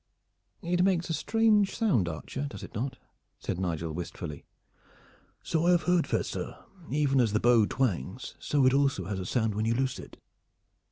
"It makes a strange sound, archer, does it not?" said Nigel wistfully. "So I have heard, fair sir even as the bow twangs, so it also has a sound when you loose it."